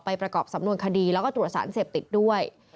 ประกอบสำนวนคดีแล้วก็ตรวจสารเสพติดด้วย